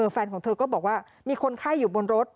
แฟนของเธอก็บอกว่ามีคนไข้อยู่บนรถ